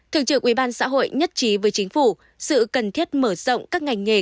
thượng trưởng ubxh nhất trí với chính phủ sự cần thiết mở rộng các ngành nghề